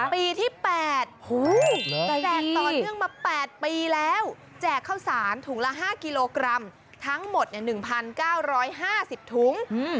ปีที่๘แจกต่อเนื่องมา๘ปีแล้วแจกข้าวสารถุงละ๕กิโลกรัมทั้งหมด๑๙๕๐ถุง